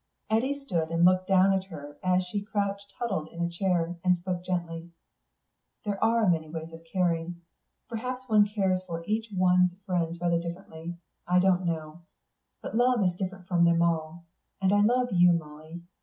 Eddy stood and looked down at her as she crouched huddled in a chair, and spoke gently. "There are many ways of caring. Perhaps one cares for each of one's friends rather differently I don't know. But love is different from them all. And I love you, Molly.